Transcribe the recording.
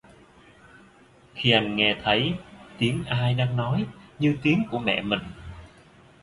Khi anh nghe thấy tiếng ai đang nói như tiếng của mẹ mình